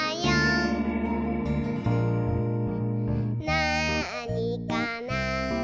「なあにかな？」